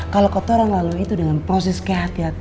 kalo kota orang lalu itu dengan proses kehatian